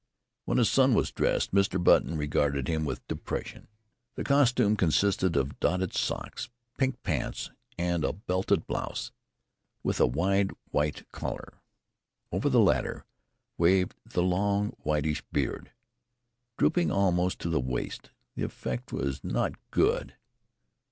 When his son was dressed Mr. Button regarded him with depression. The costume consisted of dotted socks, pink pants, and a belted blouse with a wide white collar. Over the latter waved the long whitish beard, drooping almost to the waist. The effect was not good.